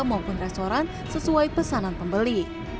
maupun restoran sesuai pesanan pembeli